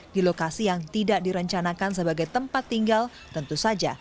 di lokasi yang tidak direncanakan sebagai tempat tinggal tentu saja